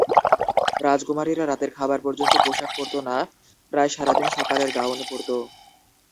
রাজকুমারীরা রাতের খাবার পর্যন্ত "পোশাক" পরত না, প্রায় সারাদিন সকালের গাউন পরত।